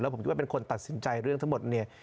ผมคิดว่าเป็นคนตัดสินใจเรื่องทั้งหมดเนี่ย